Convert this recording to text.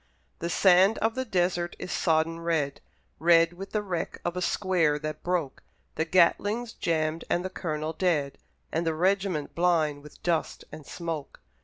The sand of the desert is sodden red, Red with the wreck of a square that broke; The Gatling's jammed and the Colonel dead, And the regiment blind with dust and smoke.